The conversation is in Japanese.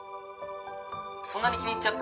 そんなに気に入っちゃった？